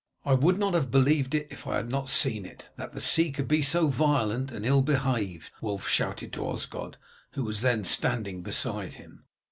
"I would not have believed if I had not seen it, that the sea could be so violent and ill behaved," Wulf shouted to Osgod, who was then standing beside him.